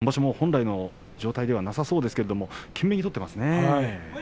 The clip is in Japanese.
今場所の本来の状態ではなさそうですけれども懸命に取っていますね。